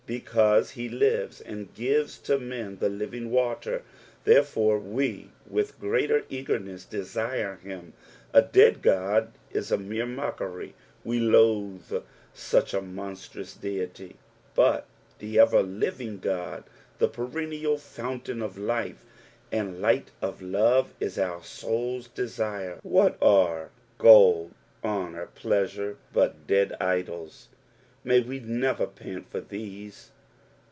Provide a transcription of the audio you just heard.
'" Because he lives, and gives to men the living water ; therefore we, with greater eagerness, desire him. A dead Ood is a mere mockery ; wo loathe auch a monstrous deity ; but the ever living God, the perennial fountain of life and light and love, is our soul's desire. What are gold, honour, pleasure, but dead idols I May we never pant for these.